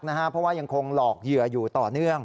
เพราะว่ายังคงหลอกเหยื่ออยู่ต่อเนื่อง